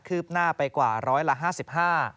คืบหน้าไปกว่าร้อยละ๕๕